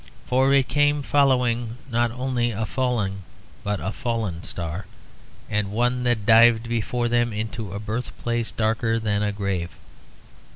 For it came following not only a falling but a fallen star and one that dived before them into a birthplace darker than a grave.